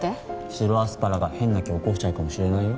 白アスパラが変な気起こしちゃうかもしれないよ